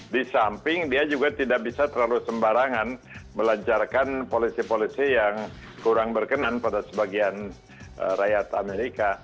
di samping dia juga tidak bisa terlalu sembarangan melancarkan polisi polisi yang kurang berkenan pada sebagian rakyat amerika